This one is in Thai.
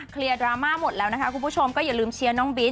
ดราม่าหมดแล้วนะคะคุณผู้ชมก็อย่าลืมเชียร์น้องบิ๊